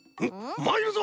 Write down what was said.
まいるぞ！